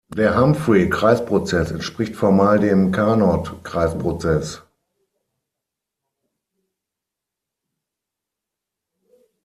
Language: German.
Der Humphrey-Kreisprozess entspricht formal dem Carnot-Kreisprozess.